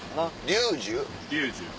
リュージュ？